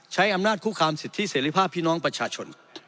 ใช้อำนาจคุกคามสิทธิเสรีภาพพี่น้องประชาชน